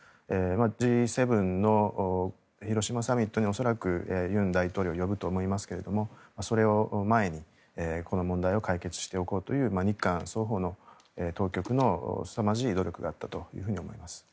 Ｇ７の広島サミットに恐らく尹大統領を呼ぶと思いますがそれを前にこの問題を解決しておこうという日韓双方の当局のすさまじい努力があったと思います。